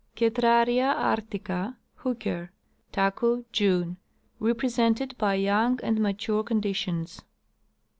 Cetraria artica, Hook. Taku, June. Represented by young and mature conditions.